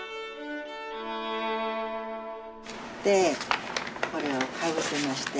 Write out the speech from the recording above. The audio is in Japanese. でこれをかぶせまして。